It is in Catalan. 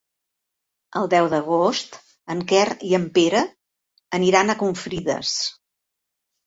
El deu d'agost en Quer i en Pere aniran a Confrides.